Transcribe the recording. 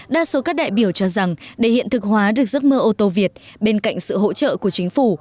đa số các đại biểu cho rằng để hiện thực hóa được giấc mơ ô tô việt bên cạnh sự hỗ trợ của chính phủ